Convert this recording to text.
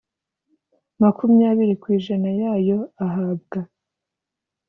makumyabiri ku ijana yayo ahabwa